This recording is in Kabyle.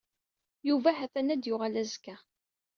Yuba ha-t-an ad yuɣal azekka.